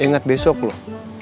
ingat besok loh